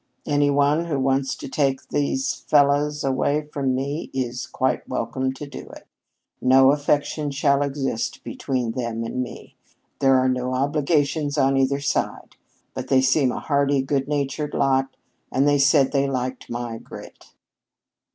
Any one who wants to take these fellows away from me is quite welcome to do it. No affection shall exist between them and me. There are no obligations on either side. But they seem a hearty, good natured lot, and they said they liked my grit."